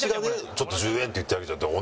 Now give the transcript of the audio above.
「ちょっと１０円」って言ってるわけじゃなくて。